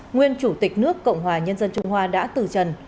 nguyên chủ tịch nước cộng hòa nhân dân trung hoa đã từ trần